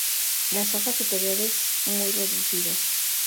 Las hojas superiores muy reducidas.